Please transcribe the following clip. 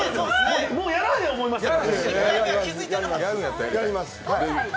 もうやらへん思いましたよ。